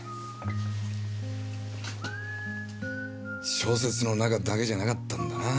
小説の中だけじゃなかったんだなぁ。